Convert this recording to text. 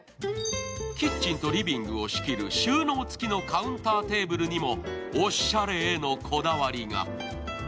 キッチンとリビングを仕切る収納付きのカウンターテーブルにもおしゃれへのこだわりが。